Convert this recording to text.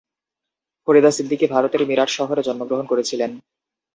ফরিদা সিদ্দিকি ভারতের মিরাট শহরে জন্মগ্রহণ করেছিলেন।